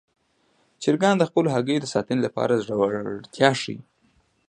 چرګان د خپلو هګیو د ساتنې لپاره زړورتیا ښيي.